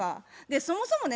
そもそもね